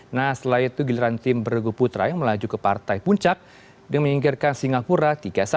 nah setelah itu giliran tim bergu putra yang melaju ke partai puncak demi menyingkirkan singapura tiga satu